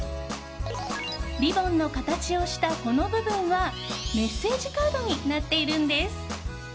リボンの形をしたこの部分はメッセージカードになっているんです。